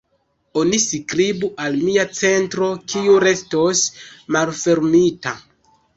Oni skribu al mia centro kiu restos malfermita.